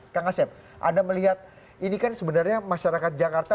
kang asep anda melihat ini kan sebenarnya masyarakat jakarta